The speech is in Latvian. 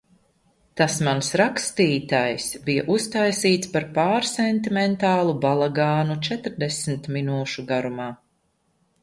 Tas mans rakstītais bija uztaisīts par pārsentimentālu balagānu četrdesmit minūšu garumā.